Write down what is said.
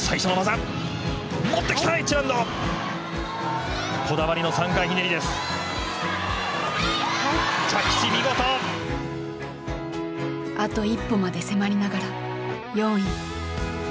あと一歩まで迫りながら４位。